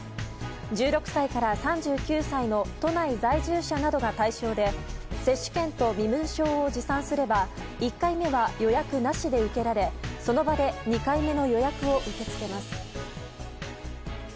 １６歳から３９歳の都内在住者などが対象で接種券と身分証を持参すれば１回目は予約なしで受けられその場で２回目の予約を受け付けます。